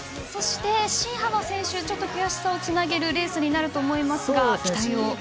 新濱選手、ちょっと悔しさをつなげるレースになると思いますが期待を。